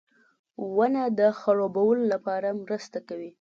• ونه د خړوبولو لپاره مرسته کوي.